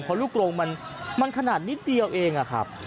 เพราะลูกโรงมันขนาดนิดเดียวเอง